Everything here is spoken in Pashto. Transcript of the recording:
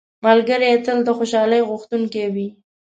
ملګری تل د خوشحالۍ غوښتونکی وي